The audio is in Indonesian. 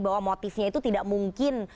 bahwa motifnya itu tidak mungkin